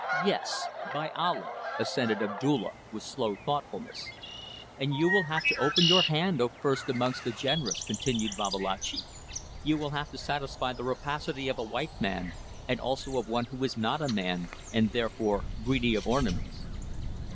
"Yes, by Allah!" assented Abdulla, with slow thoughtfulness. "And you will have to open your hand, O First amongst the generous!" continued Babalatchi. "You will have to satisfy the rapacity of a white man, and also of one who is not a man, and therefore greedy of ornaments."